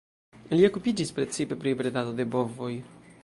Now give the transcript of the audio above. Li okupiĝis precipe pri bredado de bovoj.